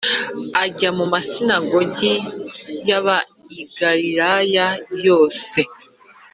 ajya mu masinagogi y ab i galilaya yose